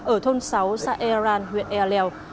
ở thôn sáu xa iran huyện ealel